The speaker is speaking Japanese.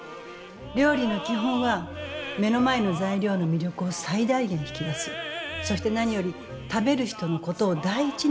料理の基本は目の前の材料の魅力を最大限引き出すそして何より食べる人のことを第一に考えること。